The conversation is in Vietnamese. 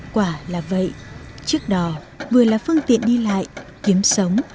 quả là vậy chiếc đò vừa là phương tiện đi lại kiếm sống